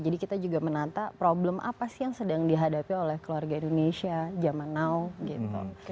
jadi kita juga menata problem apa sih yang sedang dihadapi oleh keluarga indonesia jaman now gitu